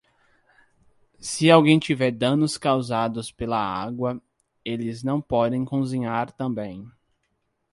Se alguém tiver danos causados pela água, eles não podem cozinhar também.